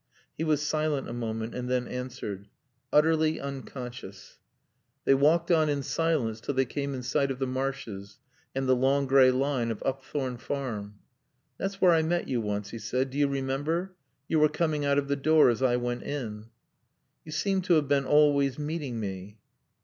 He was silent a moment and then answered: "Utterly unconscious." They walked on in silence till they came in sight of the marshes and the long gray line of Upthorne Farm. "That's where I met you once," he said. "Do you remember? You were coming out of the door as I went in." "You seem to have been always meeting me."